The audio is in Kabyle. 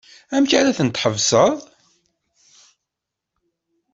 Amek ara tt-tḥebseḍ?